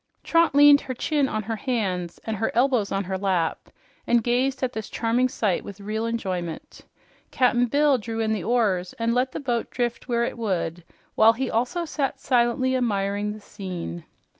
Trot leaned her chin on her hands and her elbows on her lap and gazed at this charming sight with real enjoyment. Cap'n Bill drew in the oars and let the boat drift where it would while he also sat silently admiring the scene.